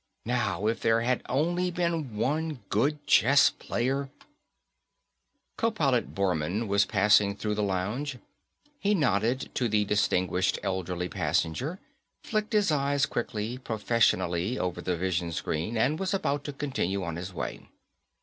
Now, if there had only been one good chess player Co pilot Bormann was passing through the lounge. He nodded to the distinguished elderly passenger, flicked his eyes quickly, professionally, over the vision screen and was about to continue on his way.